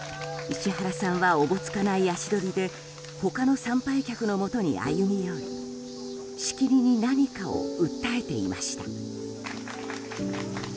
石原さんはおぼつかない足取りで他の参拝客のもとに歩み寄りしきりに何かを訴えていました。